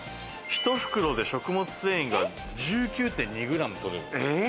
１袋で食物繊維が１９．２ｇ摂れる。